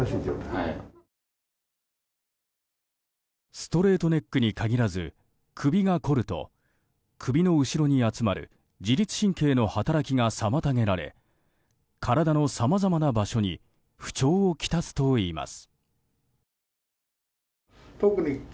ストレートネックに限らず首がこると首の後ろに集まる自律神経の働きが妨げられ体のさまざまな場所に不調をきたすといいます。